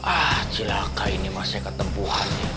ah celaka ini masih ketempuhan ya